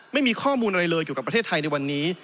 ไม่มีข้อมูลอะไรเลยเกี่ยวกับประเทศไทยในวันนี้